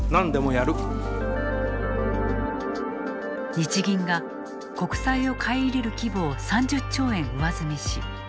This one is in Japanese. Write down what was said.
日銀が国債を買い入れる規模を３０兆円上積みし８０兆